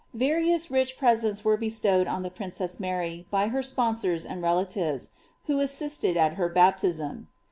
Various rich presents were bestowed on the princess Mary by her sponsors and relatives, who assisted at her btp tism.'